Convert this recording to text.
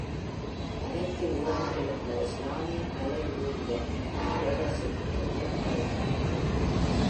அனைத்து ஊடகங்களிலுமுள்ள இஸ்லாமிய கலை ஓவியம் வால்டர்ஸில் குறிப்பிடப்படுகிறது.